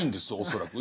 恐らく。